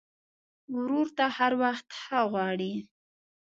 ورور ته هر وخت ښه غواړې.